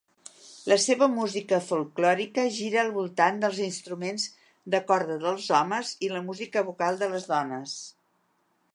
La seva música folklòrica gira al voltant dels instruments de corda dels homes i la música vocal de les dones.